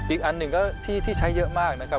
อีกอันหนึ่งก็ที่ใช้เยอะมากนะครับ